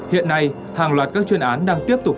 hiện nay hàng loạt các chuyên án đang tiếp tục